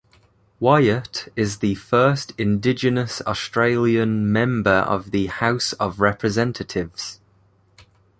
Wyatt is the first Indigenous Australian member of the House of Representatives.